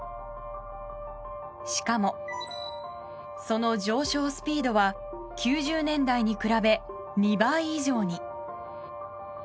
しかも、その上昇スピードは９０年代に比べ２倍以上に。